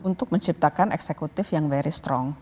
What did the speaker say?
untuk menciptakan eksekutif yang very strong